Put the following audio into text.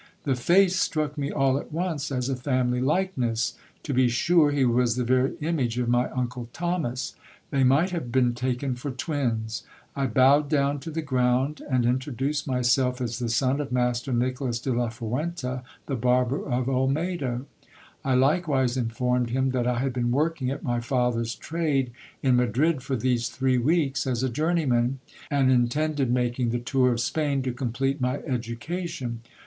The face struck me all at once as a family likeness. To be sure he was the very image of my uncle Thomas ; they might have been taken for twins. I bowed down to the ground, and introduced myself as the son of Master Nicholas de la Fuenta, the barber of Olmedo. I likewise informed him, that I had been working at my father's trade in Madrid, for these three weeks, as a journeyman, and intended making the tour of Spain to complete my education.